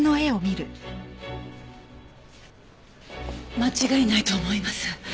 間違いないと思います。